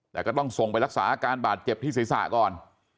แต่ก็ต้องส่งไปรักษาอาการบาดเจ็บที่ศีรษะก่อน